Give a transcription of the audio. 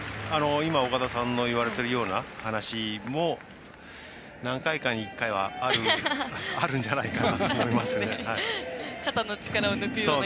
今、岡田さんの言われているような話も何回かに１回はあるんじゃないかなと思いますね。